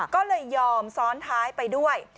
ก็เลยยอมซ้อนท้ายไปด้วย